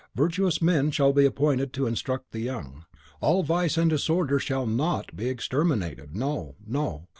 Virtuous men shall be appointed to instruct the young. All vice and disorder shall be NOT exterminated no, no!